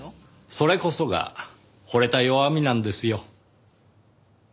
それこそが惚れた弱みなんですよ。